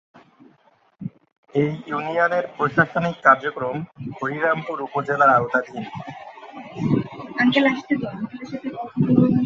এ ইউনিয়নের প্রশাসনিক কার্যক্রম হরিরামপুর উপজেলার আওতাধীন।